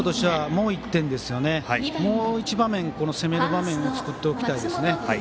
もう一場面、攻めの場面を作っておきたいですね。